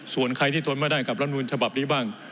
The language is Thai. ส่วนใครที่ทนไม่ได้กับรัฐมนุนฉบับนี้บ้าง